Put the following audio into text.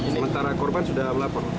sementara korban sudah melapor